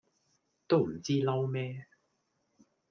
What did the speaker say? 都唔知嬲咩